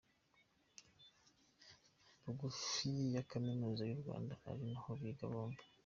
bugufi ya kaminuza yu Rwanda ari naho biga bombi.